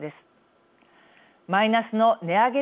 マイナスの値上げ